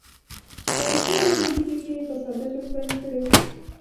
تاریخي او محلي پېښې یې په ساده ژبه بیان کړې.